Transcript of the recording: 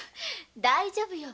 大丈夫よ。